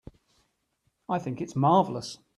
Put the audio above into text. I think it's marvelous.